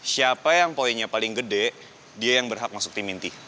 siapa yang poinnya paling gede dia yang berhak masuk tim inti